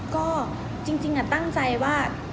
ก็จริงตั้งใจว่า